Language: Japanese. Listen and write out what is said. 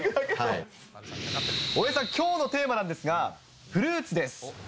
大江さん、きょうのテーマなんですが、フルーツです。